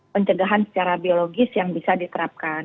pencegahan secara biologis yang bisa diterapkan